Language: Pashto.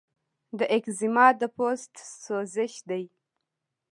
د ایکزیما د پوست سوزش دی.